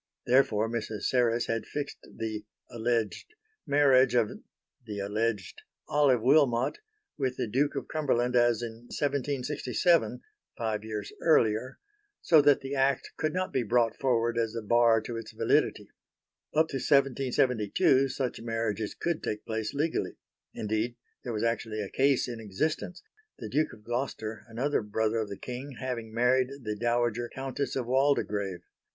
Therefore Mrs. Serres had fixed the (alleged) marriage of (the alleged) Olive Wilmot with the Duke of Cumberland as in 1767 five years earlier so that the Act could not be brought forward as a bar to its validity. Up to 1772 such marriages could take place legally. Indeed there was actually a case in existence the Duke of Gloucester (another brother of the King) having married the dowager Countess of Waldegrave.